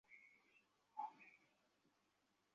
তা তো জানি না।